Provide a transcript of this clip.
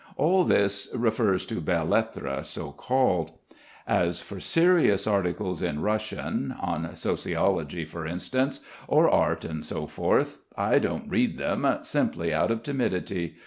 All this refers to belles lettres, so called. As for serious articles in Russian, on sociology, for instance, or art and so forth, I don't read them, simply out of timidity.